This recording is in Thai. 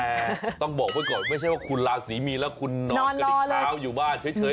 แต่ต้องบอกไว้ก่อนไม่ใช่ว่าคุณลาศรีมีนแล้วคุณนอนกระดิกเท้าอยู่บ้านเฉย